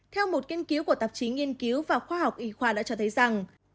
theo một nghiên cứu của tạp chí nghiên cứu và khoa học y khoa đã cho thấy rằng